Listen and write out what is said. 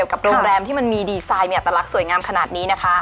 กับโรงแรมที่มันมีดีไซน์มีอัตลักษณ์สวยงามขนาดนี้นะคะ